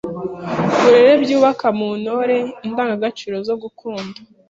burere byubaka mu Ntore indangagaciro zo gukunda